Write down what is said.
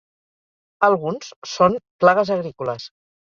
Alguns són plagues agrícoles.